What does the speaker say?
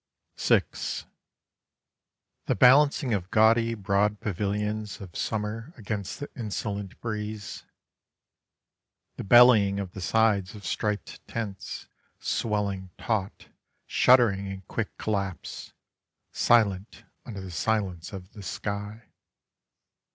VI The balancing of gaudy broad pavilions Of summer against the insolent breeze: The bellying of the sides of striped tents, Swelling taut, shuddering in quick collapse, Silent under the silence of the sky.